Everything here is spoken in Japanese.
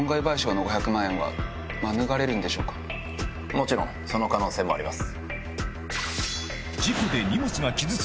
もちろんその可能性もあります。